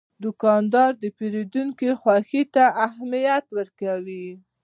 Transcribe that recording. دوکاندار د پیرودونکي خوښي ته اهمیت ورکوي.